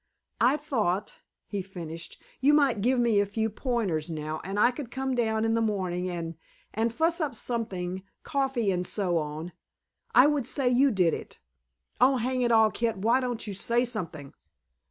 "I thought," he finished, "you might give me a few pointers now, and I could come down in the morning, and and fuss up something, coffee and so on. I would say you did it! Oh, hang it all, Kit, why don't you say something?"